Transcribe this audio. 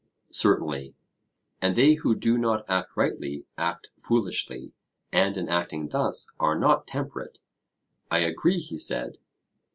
Certainly. And they who do not act rightly act foolishly, and in acting thus are not temperate? I agree, he said.